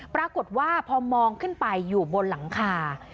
ปรากฏว่าพอมองขึ้นไปอยู่บนหลังคา